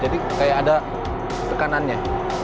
jadi seperti ada tekanannya